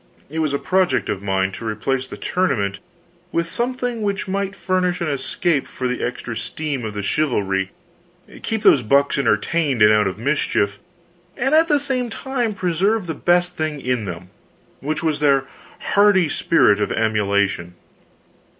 It was a project of mine to replace the tournament with something which might furnish an escape for the extra steam of the chivalry, keep those bucks entertained and out of mischief, and at the same time preserve the best thing in them, which was their hardy spirit of emulation.